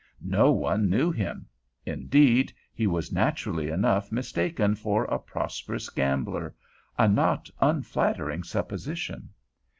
No one knew him; indeed, he was naturally enough mistaken for a prosperous gambler, a not unflattering supposition.